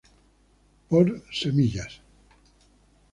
Por semillas.